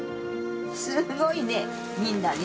すごいねみんな。